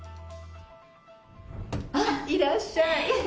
あら、いらっしゃい。